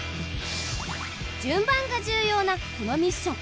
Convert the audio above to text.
順番が重要なこのミッション。